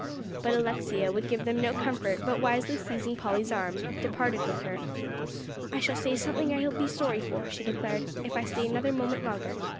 But Alexia would give them no comfort, but wisely seizing Polly's arm, departed with her. "I shall say something that I'll be sorry for," she declared, "if I stay another moment longer.